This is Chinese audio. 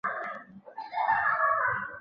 蜀榆为榆科榆属下的一个变种。